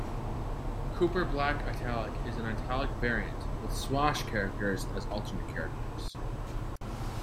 Cooper Black Italic is an italic variant, with swash characters as alternate characters.